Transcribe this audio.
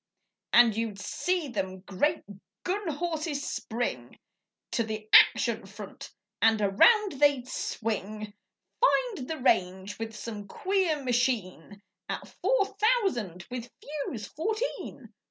And you'd see them great gun horses spring To the 'action front' and around they'd swing. Find the range with some queer machine 'At four thousand with fuse fourteen.